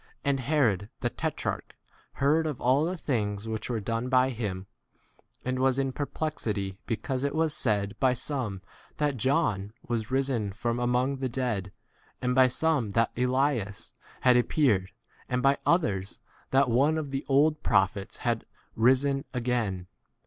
And Herod the tetrarch heard of all the things which were done by him, and was in perplexity because it was said by some that John was risen from among [the] 8 dead, and by some that Elias had appeared, and by others that oneJ of the old prophets had risen 9 again.